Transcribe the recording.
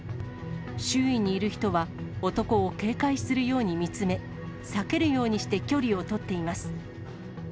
周囲にいる人は、男を警戒するように見つめ、避けるようにして距離を取っています。